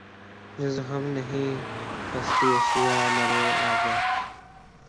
جز وہم نہیں ہستیٔ اشیا مرے آگے